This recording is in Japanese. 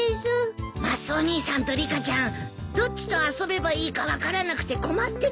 マスオ兄さんとリカちゃんどっちと遊べばいいか分からなくて困ってたのか。